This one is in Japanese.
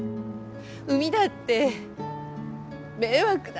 海だって迷惑だ。